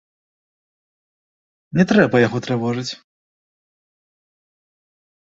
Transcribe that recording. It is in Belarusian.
Не трэба яго трывожыць.